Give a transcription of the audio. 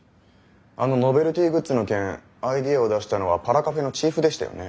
あのノベルティグッズの件アイデアを出したのはパラカフェのチーフでしたよね。